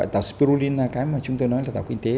tạo spirulina cái mà chúng tôi nói là tạo kinh tế